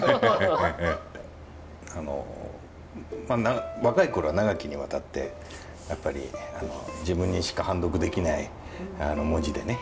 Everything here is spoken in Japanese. あの若い頃は長きにわたってやっぱり自分にしか判読できない文字でね